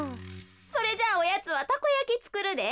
それじゃあおやつはたこやきつくるで。